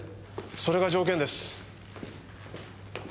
それが条件です。